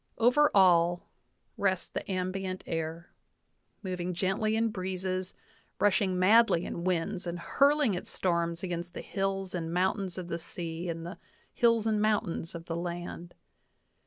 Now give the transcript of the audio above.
Over all rests the ambient air, moving gently in breezes, rushing madly in winds, and hurling its storms against the hills and mountains of the sea and the hills and mountains of the land.